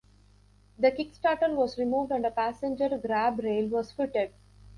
The kick-starter was removed and a passenger grab rail was fitted.